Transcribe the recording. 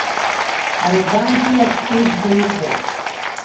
Ари аган тәылак шеибгоу иҟоуп.